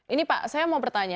ini pak saya mau bertanya